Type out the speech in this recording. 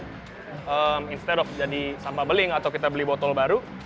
jadi setelah kita beli sampah beling atau kita beli botol baru